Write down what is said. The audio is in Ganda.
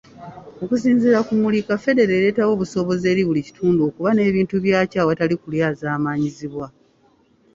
Okusinziira ku Muliika, federo ereetawo obusobozi eri buli kitundu okuba n'ebintu byakyo awatali kulyazaamanyibwa.